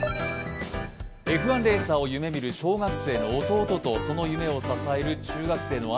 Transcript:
Ｆ１レーサーを夢見る小学生の弟とその夢を支える中学生の兄。